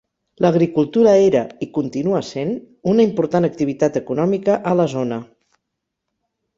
L'agricultura era, i continua sent, una important activitat econòmica a la zona.